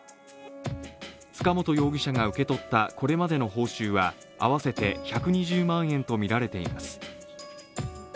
塚本容疑者が受け取ったこれまでの報酬は合わせて１２０万円とみられています